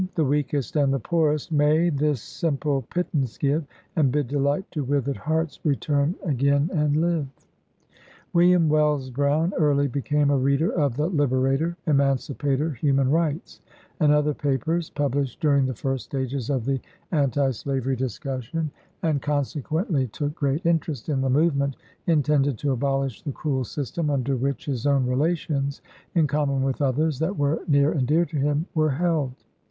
The weakest and the poorest may This simple pittance give, And bid delight to withered hearts Return again and live. ,, Wm. Wells Brown early became a reader of the Liberator, Emancipator, Human Rights, and other papers, published daring the first stages of the Anti Slavery discussion, and consequently took great interest in the movement intended to abolish the cruel system under which his own relations, in common with others that were near and dear to him, were held.